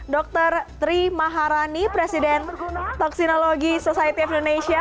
dr tri maharani presiden toksinologi society of indonesia